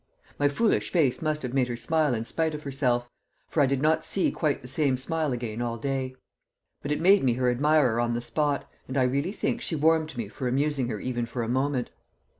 My foolish face must have made her smile in spite of herself, for I did not see quite the same smile again all day; but it made me her admirer on the spot, and I really think she warmed to me for amusing her even for a moment.